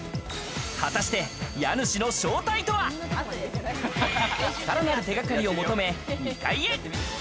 果たして家主の正体とは？さらなる手掛かりを求め２階へ。